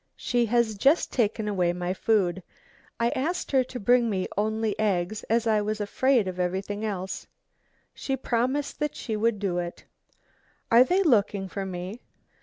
"She has just taken away my food. I asked her to bring me only eggs as I was afraid of everything else. She promised that she would do it. "Are they looking for me?